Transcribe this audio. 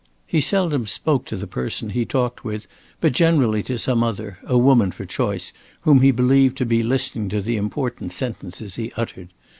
He seldom spoke to the person he talked with but generally to some other, a woman for choice, whom he believed to be listening to the important sentences he uttered.